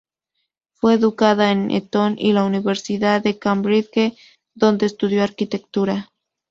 Fue educado en Eton y la Universidad de Cambridge, donde estudió arquitectura.